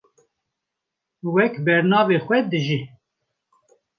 wek bernavê xwe dijî